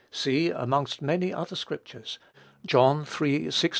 (See, amongst many other scriptures, John iii.